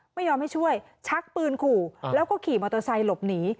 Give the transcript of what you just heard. ไม่ยอมให้ช่วยชักปืนขู่แล้วก็ขี่มอเตอร์ไซค์หลบหนี